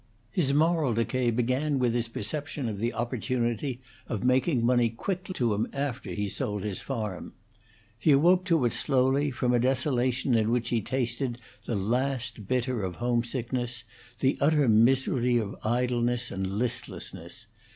His moral decay began with his perception of the opportunity of making money quickly and abundantly, which offered itself to him after he sold his farm. He awoke to it slowly, from a desolation in which he tasted the last bitter of homesickness, the utter misery of idleness and listlessness.